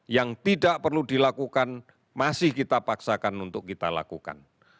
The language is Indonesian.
yang tidak perlu dilakukan masih kita paksakan untuk kita lakukan